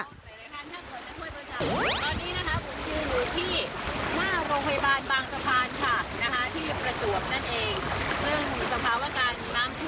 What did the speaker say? กระแสน้ำเชี่ยวมากและแรงมากและค่อยขึ้นมาเป็นระหว่าง